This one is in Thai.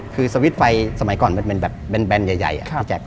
คือสวิตช์ไฟสมัยก่อนมันแบนใหญ่อะ